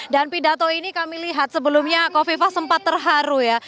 dan pidato ini kami lihat sebelumnya kofifah sempat terharu ya